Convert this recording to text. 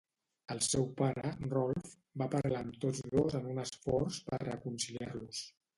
El seu pare, Rolf, va parlar amb tots dos en un esforç per reconciliar-los.